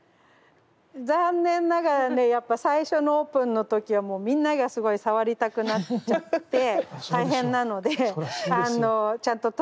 残念ながらねやっぱ最初のオープンの時はもうみんながすごい触りたくなっちゃって大変なので。